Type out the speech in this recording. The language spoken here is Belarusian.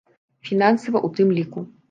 Фінансава ў тым ліку.